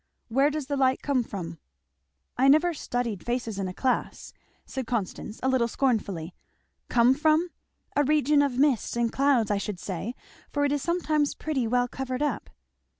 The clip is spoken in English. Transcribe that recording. Where does the light come from?" "I never studied faces in a class," said Constance a little scornfully. "Come from? a region of mist and clouds I should say, for it is sometimes pretty well covered up."